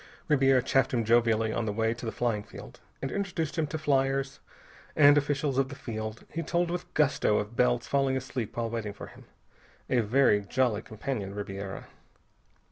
Ribiera chaffed him jovially on the way to the flying field. And introducing him to fliers and officials of the field, he told with gusto of Bell's falling asleep while waiting for him. A very jolly companion, Ribiera.